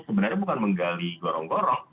sebenarnya bukan menggali gorong gorong